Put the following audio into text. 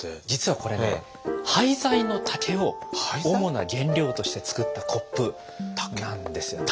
実はこれね廃材の竹を主な原料として作ったコップなんです。